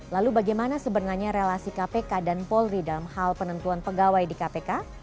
lalu bagaimana sebenarnya relasi kpk dan polri dalam hal penentuan pegawai di kpk